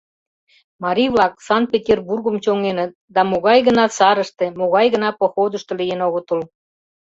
Марий-влак Санкт-Петербургым чоҥеныт да могай гына сарыште, могай гына походышто лийын огытыл.